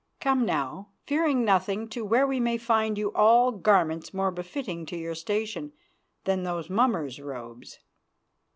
Come now, fearing nothing, to where we may find you all garments more befitting to your station than those mummer's robes."